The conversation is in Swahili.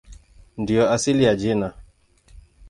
Ndiyo asili ya jina.